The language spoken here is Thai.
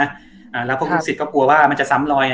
อ่าแล้วพวกนะฮลูกศิษย์ก็กลัวว่ามันจะซ้ำรอย